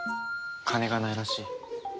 金がないらしい。